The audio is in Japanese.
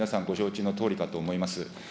ご承知のとおりかと思います。